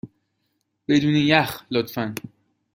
بدون یخ، لطفا.